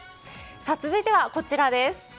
続いては、こちらです。